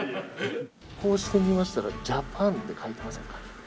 こうして見ましたらＪＡＰＡＮって書いてませんか？